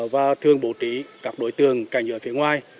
và thường bổ trí các đối tượng cảnh giới phía ngoài